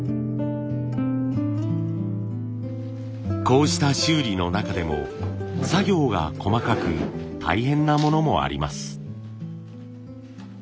こうした修理の中でも作業が細かく大変なものもあります。